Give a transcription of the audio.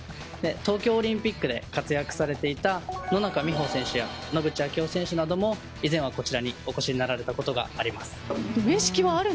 東京オリンピックで活躍されていた野中生萌選手や野口啓代選手なども以前はこちらにお越しになられたことがあります。